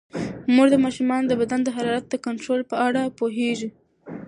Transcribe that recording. مور د ماشومانو د بدن د حرارت د کنټرول په اړه پوهیږي.